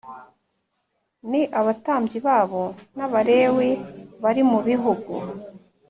N abatambyi babo n abalewi bari mu bihugu